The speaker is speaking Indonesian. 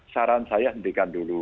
saran saya hentikan dulu